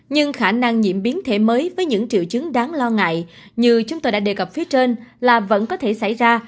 nhưng khả năng nhiễm biến thể mới với những triệu chứng đáng lo ngại như chúng tôi đã đề cập phía trên là vẫn có thể xảy ra